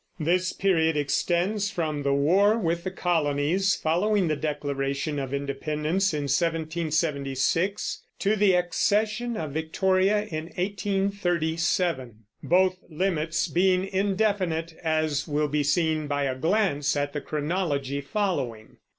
This period extends from the war with the colonies, following the Declaration of Independence, in 1776, to the accession of Victoria in 1837, both limits being very indefinite, as will be seen by a glance at the Chronology following.